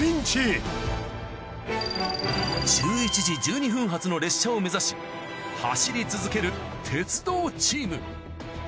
１１時１２分発の列車を目指し走り続ける鉄道チーム。